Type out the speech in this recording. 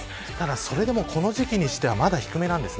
それでも、この時期にしては低めです。